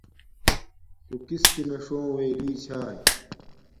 تݸ کِسکِنݳ ݽݸوݵئ رݵچھݳئی؟